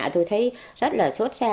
tôi thấy rất là xót xa